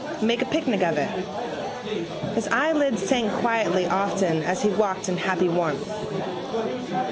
Make a picnic of it. His eyelids sank quietly often as he walked in happy warmth.